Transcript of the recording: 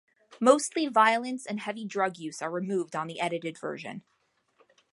Mostly violence and heavy drug use are removed on the edited version.